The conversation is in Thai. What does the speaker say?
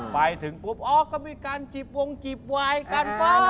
ไปถึงปุ๊บอ๋อก็มีการจีบวงจีบวายกัน